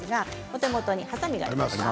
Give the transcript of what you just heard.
お手元にはさみがありますか。